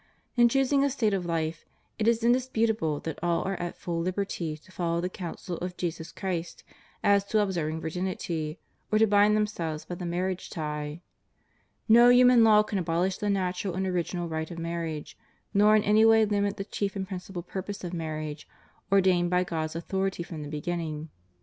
In choosing a state of life, it is indisputable that all are at full hberty to follow the counsel of Jesus Christ as to observing virginity, or to bind themselves by the marriage tie. No human law can abolish the natural and original right of marriage, nor in any way limit the chief and principal purpose of marriage, ordained by God's author ity from the begirming.